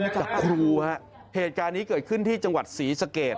จากครูฮะเหตุการณ์นี้เกิดขึ้นที่จังหวัดศรีสะเกด